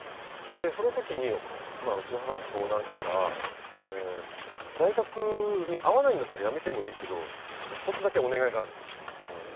その時にうちの母に相談したら「大学に合わないんだったらやめてもいいけど一つだけお願いがある」と言われて。